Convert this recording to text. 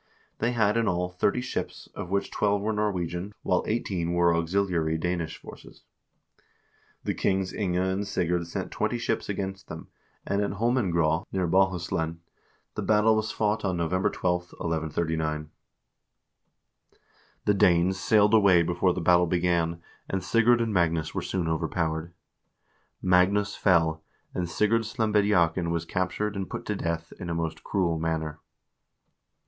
They had in all thirty ships, of which twelve were Norwegian, while eighteen were auxiliary Danish forces. The kings Inge and Sigurd sent twenty ships against them, and at Holmengraa, near Bohuslen, the battle was fought on November 12, 1139. The Danes sailed away before the battle began, and Sigurd and Magnus were soon overpowered. Magnus fell, and Sigurd Slembediakn was captured and put to death in a most cruel manner.